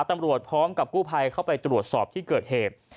ตำรวจพร้อมกับกู้ภัยเข้าไปตรวจสอบที่เกิดเหตุ